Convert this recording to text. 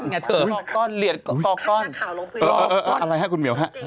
เหรียญกอก้อน